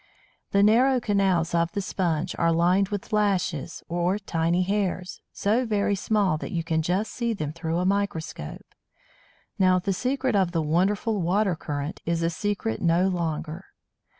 The narrow canals in the Sponge are lined with lashes, or tiny hairs, so very small that you can just see them through a microscope. Now the secret of the wonderful water current is a secret no longer.